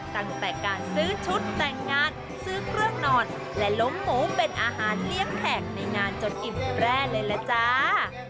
ตั้งแต่การซื้อชุดแต่งงานซื้อเครื่องนอนและล้มหมูเป็นอาหารเลี้ยงแขกในงานจนอิ่มแร่เลยล่ะจ้า